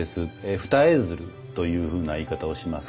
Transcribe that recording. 二重蔓というふうな言い方をします。